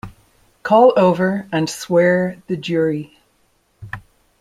Call over and swear the jury!